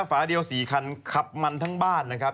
ฝาเดียว๔คันขับมันทั้งบ้านนะครับ